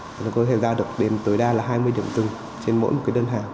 và có thể giao được đến tối đa là hai mươi điểm từng trên mỗi một cái đơn hàng